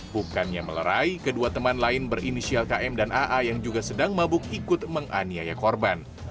bukannya melerai kedua teman lain berinisial km dan aa yang juga sedang mabuk ikut menganiaya korban